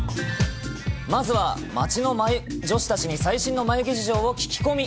まずは街の女子たちに最新の眉毛事情を聞き込み。